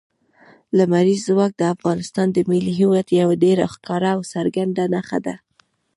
لمریز ځواک د افغانستان د ملي هویت یوه ډېره ښکاره او څرګنده نښه ده.